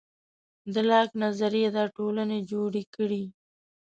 د لاک نظریې دا ټولنې جوړې کړې.